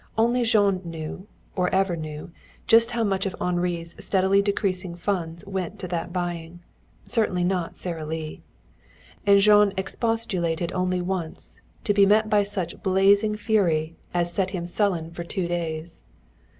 Only Jean knew, or ever knew, just how much of Henri's steadily decreasing funds went to that buying. Certainly not Sara Lee. And Jean expostulated only once to be met by such blazing fury as set him sullen for two days.